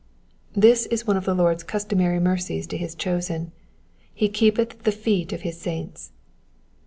^^ This is one of the Lord's customary mercies to his chosen, —^^ He keepeth the feet of his saints.'